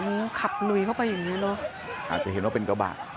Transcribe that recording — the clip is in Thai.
มันกลับเลยเข้าไปอยู่เนี่ยมอง